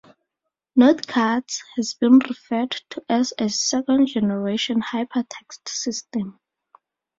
Notecards has been referred to as a "second generation" hypertext system.